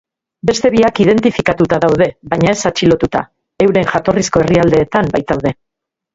Beste biak indentifikatuta daude, baina ez atxilotuta, euren jatorrizko herrialdeetan baitaude.